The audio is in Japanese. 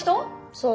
そう。